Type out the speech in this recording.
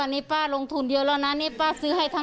อันนี้อ่ะ